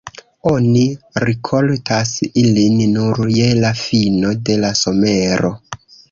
Oni rikoltas ilin nur je la fino de la somero.